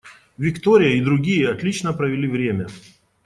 Виктория и другие отлично провели время.